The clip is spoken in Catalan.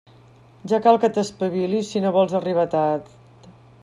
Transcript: Ja cal que t'espavilis si no vols arribar tard.